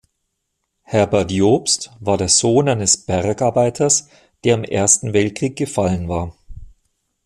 Herbert Jobst war der Sohn eines Bergarbeiters, der im Ersten Weltkrieg gefallen war.